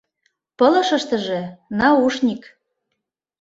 Пылышыштыже — наушник.